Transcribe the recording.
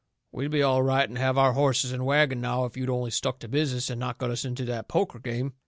"We'd be all right and have our horses and wagon now if you'd only stuck to business and not got us into that poker game.